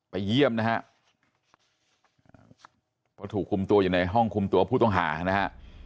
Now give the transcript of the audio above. เยี่ยมนะฮะเพราะถูกคุมตัวอยู่ในห้องคุมตัวผู้ต้องหานะฮะ